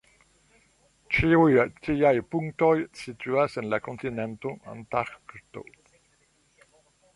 Ĉiuj tiaj punktoj situas en la kontinento Antarkto.